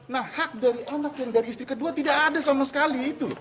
nah hak dari anak yang dari istri kedua tidak ada sama sekali itu